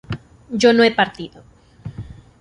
yo no he partido